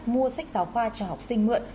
mua sách giáo khoa cho học sinh mượn